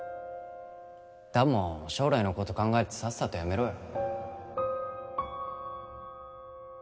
弾も将来のこと考えてさっさとやめろよ